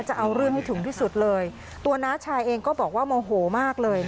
จะเอาเรื่องให้ถึงที่สุดเลยตัวน้าชายเองก็บอกว่าโมโหมากเลย